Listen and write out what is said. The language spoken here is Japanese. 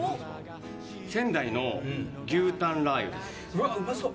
うわっ、うまそう。